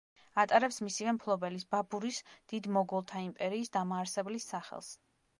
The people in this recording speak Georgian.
ატარებს, მისივე მფლობელის, ბაბურის, დიდ მოგოლთა იმპერიის დამაარსებლის სახელს.